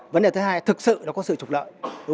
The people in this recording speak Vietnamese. vấn đề thứ hai thực sự nó có sự trục lợi